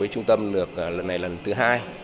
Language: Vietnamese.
trung tâm được lần này là lần thứ hai